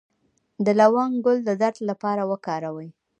د لونګ ګل د درد لپاره وکاروئ